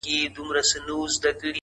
ساقي جانانه ته را یاد سوې تر پیالې پوري’